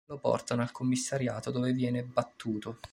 Lo portano al commissariato dove viene battuto.